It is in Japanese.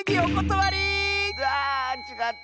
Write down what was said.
わあちがった！